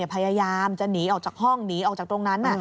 พยายามจะหนีออกจากห้องหนีออกจากตรงนั้น